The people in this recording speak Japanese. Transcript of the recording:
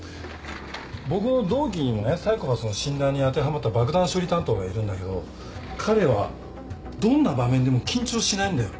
僕の同期にもねサイコパスの診断に当てはまった爆弾処理担当がいるんだけど彼はどんな場面でも緊張しないんだよ。